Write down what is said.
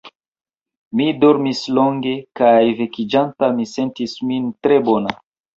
Mi dormis longe, kaj vekiĝanta mi sentis min tre bona.